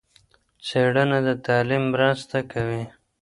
څېړنه د تعليم مرسته کوي.